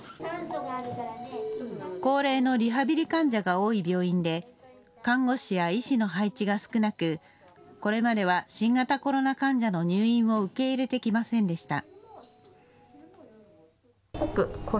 高齢のリハビリ患者が多い病院で看護師や医師の配置が少なくこれまでは新型コロナ患者の入院を受け入れてきませんでした。